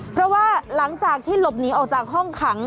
เพราะว่าหลังจากที่หลบหนีออกจากห้องขัง